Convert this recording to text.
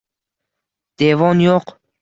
Devon yo’q.